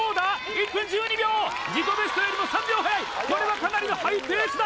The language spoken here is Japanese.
１分１２秒自己ベストよりも３秒早いこれはかなりのハイペースだ